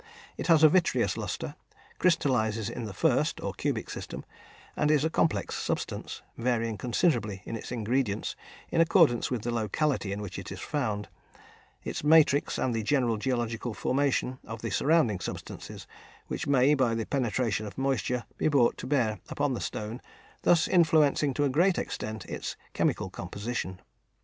It has a vitreous lustre, crystallises in the 1st, or cubic system, and is a complex substance, varying considerably in its ingredients in accordance with the locality in which it is found, its matrix, and the general geological formation of the surrounding substances, which may, by the penetration of moisture, be brought to bear upon the stone, thus influencing to a great extent its chemical composition.